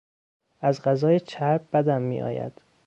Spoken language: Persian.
از غذای چرب بدم میآید.